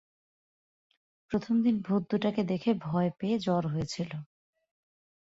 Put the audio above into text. প্রথম দিন ভূত দুটাকে দেখে ভয় পেয়ে জ্বর হয়েছিল।